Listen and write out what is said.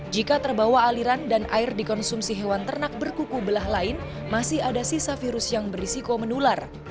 jika terbawa aliran dan air dikonsumsi hewan ternak berkuku belah lain masih ada sisa virus yang berisiko menular